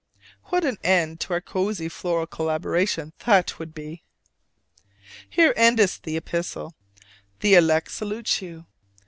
What an end to our cozy floral collaboration that would be! Here endeth the epistle: the elect salutes you.